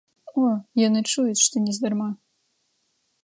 О, яны чуюць, што нездарма.